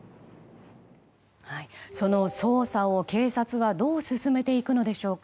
その捜査を警察はどう進めていくのでしょうか。